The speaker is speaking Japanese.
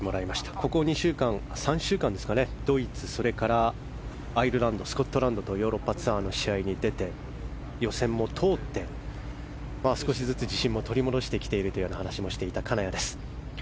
ここ３週間ドイツ、それからアイルランドスコットランドヨーロッパツアーの試合に出て予選も通って少しずつ自信も取り戻してきているという話をしていた金谷です。